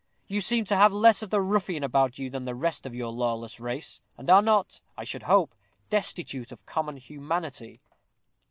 You seem to have less of the ruffian about you than the rest of your lawless race, and are not, I should hope, destitute of common humanity."